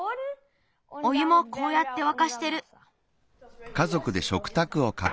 おゆもこうやってわかしてる。